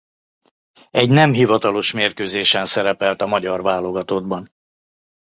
Egy nem hivatalos mérkőzésen szerepelt a magyar válogatottban.